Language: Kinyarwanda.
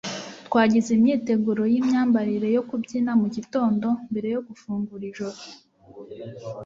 twagize imyitozo yimyambarire yo kubyina mugitondo mbere yo gufungura ijoro